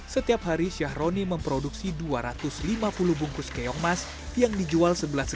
setiap hari siahroni memproduksi dua ratus lima puluh bungkus keongmas yang dijual rp sebelas per bungkus